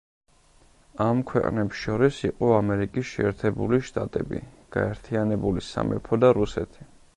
ამ ქვეყნებს შორის იყო ამერიკის შეერთებული შტატები, გაერთიანებული სამეფო და რუსეთი.